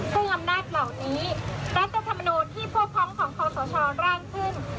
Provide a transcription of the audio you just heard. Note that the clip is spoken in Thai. ซึ่งอำนาจเหล่านี้รัฐธรรมนูลที่พวกพ้องของคอสชร่างขึ้น